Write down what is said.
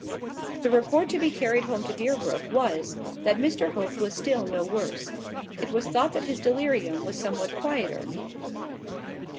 The report to be carried home to Deerbrook was, that Mr Hope was still no worse: it was thought that his delirium was somewhat quieter.